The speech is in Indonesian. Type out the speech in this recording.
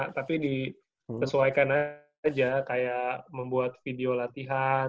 tapi disesuaikan aja kayak membuat video latihan